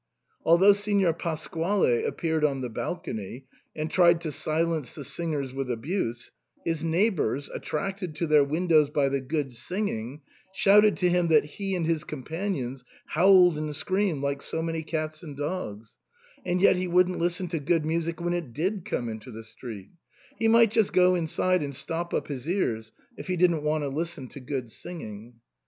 Although Signor Pasquale appeared on the balcony and tried to silence the singers with abuse, his neighbours, attracted to their windows by the good singing, shouted to him that he and his companions howled and screamed like so many cats and dogs, and yet he wouldn't listen to good music when it did come into the street ; he might just go inside and stop up his ears if he didn't want to listen to good singing.